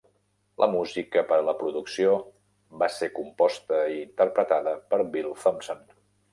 La música per a la producció va ser composta i interpretada per Bill Thompson.